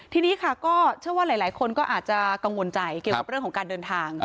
ที่นี่ค่ะก็เชื่อว่าหลายคนก็อาจจะกังวลใจเรื่องการเดินทาง